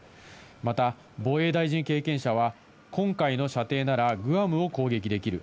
また防衛大臣経験者は、今回の射程ならグアムを攻撃できる。